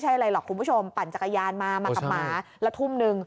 ใช่อะไรหรอกคุณผู้ชมปั่นจักรยานมามากับหมาแล้วทุ่มนึง